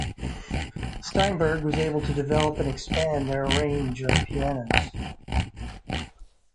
Steinberg was able to develop and expand their range of pianos.